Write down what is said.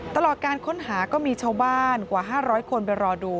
ตลอดการค้นหาก็มีชาวบ้านกว่า๕๐๐คนไปรอดู